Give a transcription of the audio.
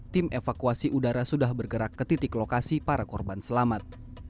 tim evakuasi udara sudah bergerak ke titik lokasi para korban selamat